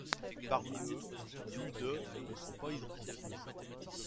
Parmi eux, plus de ne sont pas identifiés.